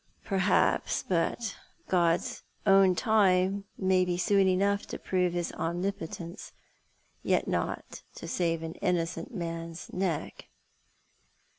" Perhaps ; but God's own time may be soon enough to prove His omnipotence, yet not to save an innocent man's neck."